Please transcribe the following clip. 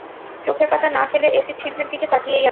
চোখের পাতা না ফেলে এসির ছিদ্রের দিকে তাকিয়েই আছে!